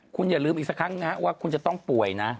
คุณอย่าลืมอีกสักครั้งนะว่าคุณจะต้องป่วยนะ